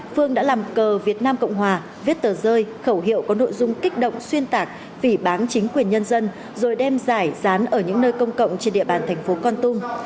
phương đã làm cờ việt nam cộng hòa viết tờ rơi khẩu hiệu có nội dung kích động xuyên tạc phỉ bán chính quyền nhân dân rồi đem giải dán ở những nơi công cộng trên địa bàn thành phố con tum